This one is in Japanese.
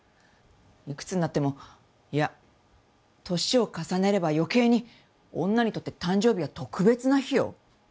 いくつになってもいや年を重ねれば余計に女にとって誕生日は特別な日よ。